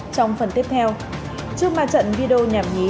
trong phần tiếp theo trước mà trận video nhảm nhí